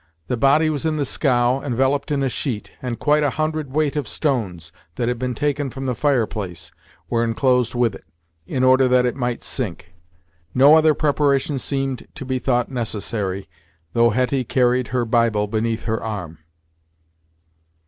The body was in the scow, enveloped in a sheet, and quite a hundred weight of stones, that had been taken from the fire place, were enclosed with it, in order that it might sink. No other preparation seemed to be thought necessary, though Hetty carried her Bible beneath her arm.